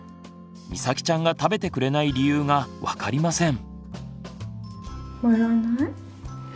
みさきちゃんが食べてくれない理由が分かりません。